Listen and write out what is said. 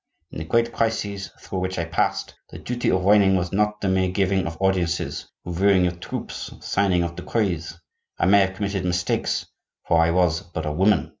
In the great crises through which I passed, the duty of reigning was not the mere giving of audiences, reviewing of troops, signing of decrees. I may have committed mistakes, for I was but a woman.